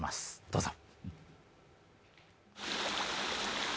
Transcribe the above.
どうぞ。